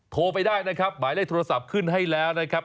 โทรไปได้นะครับหมายเลขโทรศัพท์ขึ้นให้แล้วนะครับ